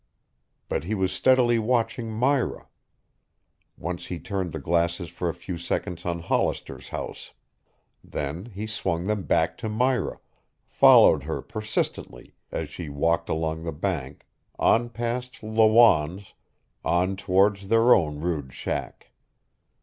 But he was steadily watching Myra. Once he turned the glasses for a few seconds on Hollister's house. Then he swung them back to Myra, followed her persistently as she walked along the bank, on past Lawanne's, on towards their own rude shack.